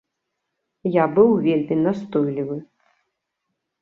Я быў вельмі настойлівы.